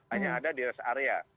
hanya ada di rest area